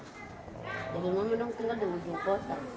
jadi mama dong tinggal di ujung kota